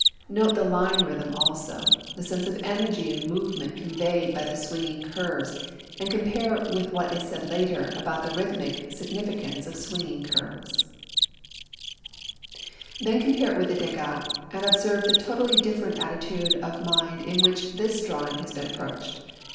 Note the line rhythm also; the sense of energy and movement conveyed by the swinging curves; and compare with what is said later (page 162 [Transcribers Note: Sidenote "Curved Lines"]) about the rhythmic significance of swinging curves. Then compare it with the Degas and observe the totally different attitude of mind in which this drawing has been approached.